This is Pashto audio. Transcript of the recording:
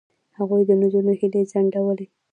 هغوی د نجونو هیلې ځنډولې.